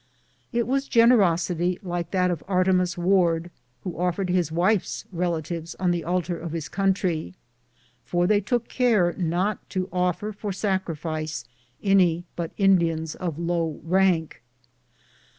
It was generosity like that of Artemus Ward, who offered his wife's relatives on the altar of his country, for they took care not to offer for sacrifice any but Indians of low rank.